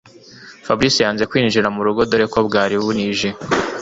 Fabric yanze kwinjira murugo dore ko bwari bunije